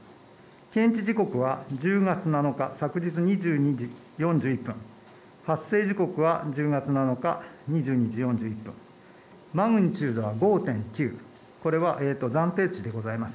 見知時刻は１０月７日、２２時４１分、発生時刻は１０月７日、２２時４１分、マグニチュードは５．９です。